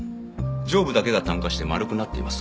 上部だけが炭化して丸くなっています。